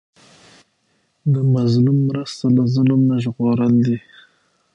د مظلوم مرسته له ظلم نه ژغورل دي.